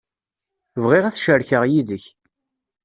Bɣiɣ ad t-cerkeɣ yid-k.